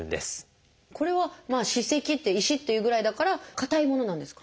これは「歯石」って「石」っていうぐらいだから硬いものなんですか？